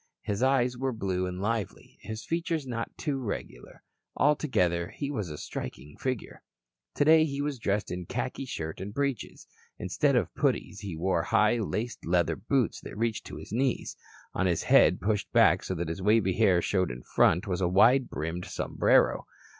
His eyes were blue and lively, his features not too regular. Altogether, he was a striking figure. Today he was dressed in khaki shirt and breeches. Instead of puttees he wore high, laced leather boots that reached to his knees. On his head, pushed back so that his wavy hair showed in front, was a wide brimmed sombrero.